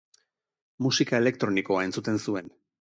Musika elektronikoa entzuten zuen.